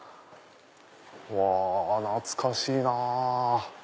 うわ懐かしいな。